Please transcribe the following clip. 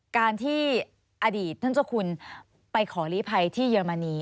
การที่อดีตท่านเจ้าคุณไปขอลีภัยที่เยอรมนี